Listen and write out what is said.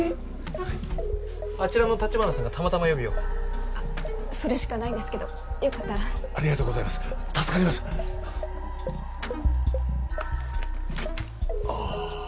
はいあちらの立花さんがたまたま予備をあっそれしかないんですけどよかったらありがとうございます助かりますああ